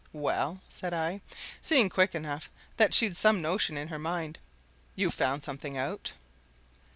"Well?" said I, seeing quick enough that she'd some notion in her mind. "You've found something out?"